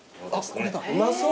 うまそう。